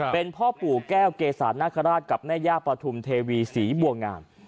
เป็นพ่อปู่แก้วเกษานนาคาราชกับแม่ย่าปฐุมเทวีศรีบัวงาม